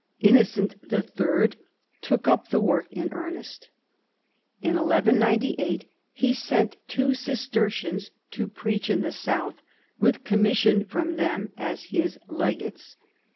Innocent III. took up the work in earnest. In 1198 he sent two Cistercians to preach in the south, with commission from him as his legates.